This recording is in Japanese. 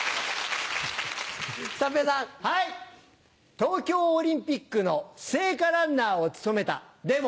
東京オリンピックの聖火ランナーを務めたでも。